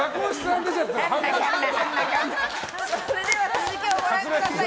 続きをご覧ください。